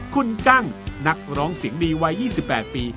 คุณกั้งนักร้องเสียงดีวัย๒๘ปี